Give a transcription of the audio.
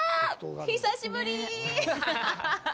久しぶり！